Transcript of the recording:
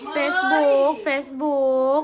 เฟซบุ๊กเฟซบุ๊ก